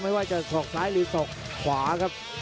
ไม่ว่าจะสอกซ้ายหรือศอกขวาครับ